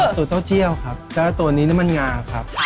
อันตรีเต้าเจี่ยวครับก็ตัวนี้เนม่นงาครับ